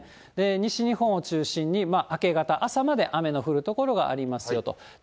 西日本を中心に明け方、朝まで雨の降る所がありますよと。